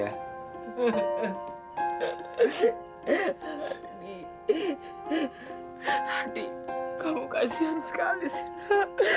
adik ardi kamu kasihan sekali sinah